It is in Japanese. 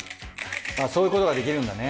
そういうことができるんだね